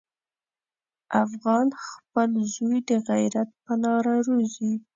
افغان خپل زوی د غیرت په لاره روزي.